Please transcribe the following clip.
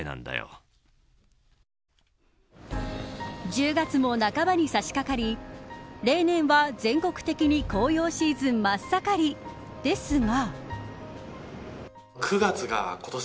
１０月も半ばにさしかかり例年は全国的に紅葉シーズン真っ盛りですが。